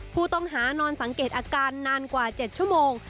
ผู้ต้องหานอนสังเกตอาการนานกว่า๗ชั่วโมง